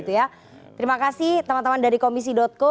terima kasih teman teman dari komisi co